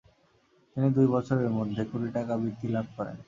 তিনি দুই বছরের জন্য কুড়ি টাকা বৃত্তি লাভ করেন।